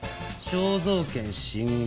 肖像権侵害。